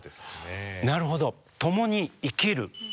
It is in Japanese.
なるほど。